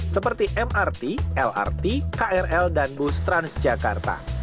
seperti mrt lrt krl dan bus trans jakarta